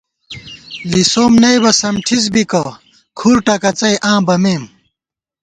لِسَؤم نئیبہ سم ٹھِس بِکہ ، کھُر ٹکَڅئ آں بَمېم